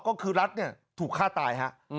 ก็คือรัฐเนี่ยถูกฆ่าตายฮะ